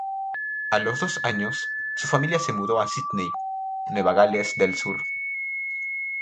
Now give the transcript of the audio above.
A los dos años, su familia se mudó a Sídney, Nueva Gales del Sur.